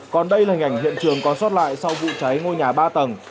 còn đây là hình ảnh hiện trường còn sót lại sau vụ cháy ngôi nhà ba tầng